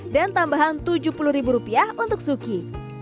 dan tambahan tujuh puluh rupiah untuk suki